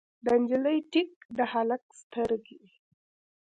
د نجلۍ ټیک، د هلک سترګې